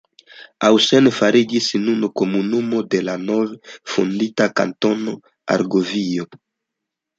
Hausen fariĝis nun komunumo de la nove fondita Kantono Argovio.